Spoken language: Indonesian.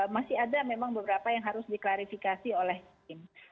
masih ada memang beberapa yang harus diklarifikasi oleh tim